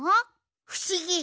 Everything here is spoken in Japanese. ふしぎ！